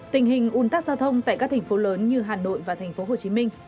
tình hình un tắc giao thông tại các thành phố lớn như hà nội và thành phố hồ chí minh